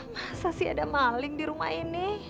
masa sih ada maling di rumah ini